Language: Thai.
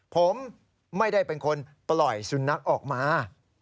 ผมไม่ได้เป็นคนปล่อยสุนัขออกมา